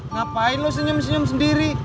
ngapain lo senyum senyum sendiri